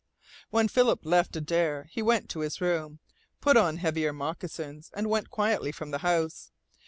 When Philip left Adare he went to his room, put on heavier moccasins, and went quietly from the house.